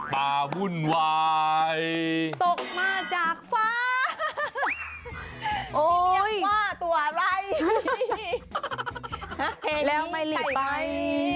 เพลงนี้ใช่ไหม